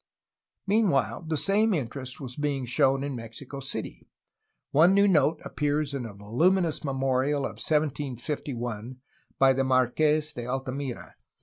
Meanwhile the same interest was being shown in Mexico City. One new note appears in a voluminous memorial of 1751 by the Marques de Altamira.